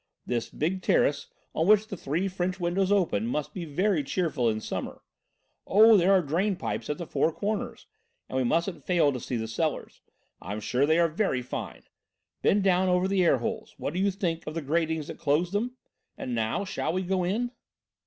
This big terrace, on which the three French windows open, must be very cheerful in summer. Oh, there are drain pipes at the four corners! And we mustn't fail to see the cellars. I'm sure they are very fine. Bend down over the air holes; what do you think of the gratings that close them? And, now, shall we go in?"